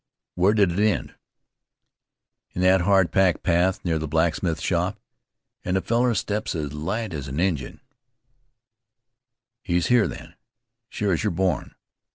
"Where did it end?" "In that hard packed path near the blacksmith shop. An' the fellar steps as light as an Injun." "He's here, then, sure as you're born.